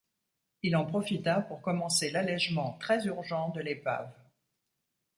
Il en profita pour commencer l’allégement, très urgent, de l’épave.